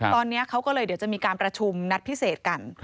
ตอนนี้เขาก็เลยเดี๋ยวจะมีการประชุมนัดพิเศษกัน